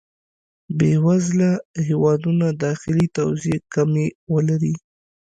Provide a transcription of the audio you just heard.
بې وزله هېوادونه داخلي توزېع کمی ولري.